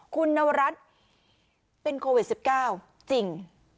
คุณนวรัฐเป็นโควิดสิบเก้าจริง